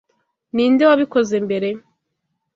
Ninde wabikoze mbere?